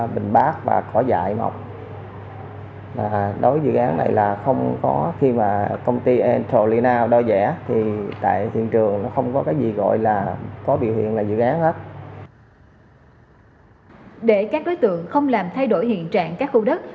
để các đối tượng không làm thay đổi hiện trạng các khu đất